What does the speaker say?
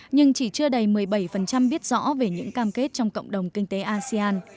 nhưng chỉ chưa đầy một mươi bảy biết rõ về những cam kết của asean